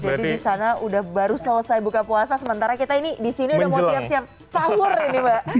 jadi di sana sudah baru selesai buka puasa sementara kita ini di sini sudah mau siap siap sahur ini mbak